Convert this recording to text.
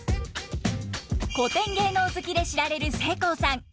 古典芸能好きで知られるせいこうさん。